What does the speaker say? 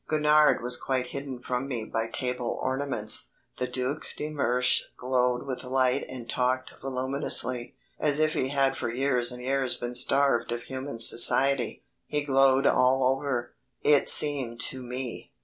Gurnard was quite hidden from me by table ornaments; the Duc de Mersch glowed with light and talked voluminously, as if he had for years and years been starved of human society. He glowed all over, it seemed to me.